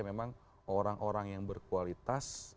memang orang orang yang berkualitas